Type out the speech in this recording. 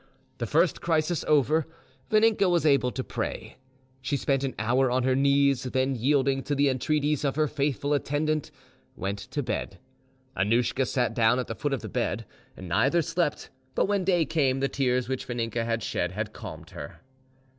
The first crisis over, Vaninka was able to pray. She spent an hour on her knees, then, yielding to the entreaties of her faithful attendant, went to bed. Annouschka sat down at the foot of the bed. Neither slept, but when day came the tears which Vaninka had shed had calmed her.